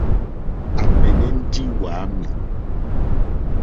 À mɛ̀nɛ́ ndí wàámì.